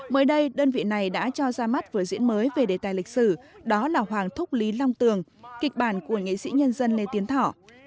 mới đây đơn vị này đã cho ra mắt vừa diễn mới về đề tài lịch sử đó là hoàng thúc lý long tường kịch bản của nghệ sĩ nhân dân lê tiến thọ